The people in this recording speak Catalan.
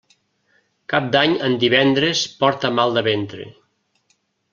Cap d'Any en divendres porta mal de ventre.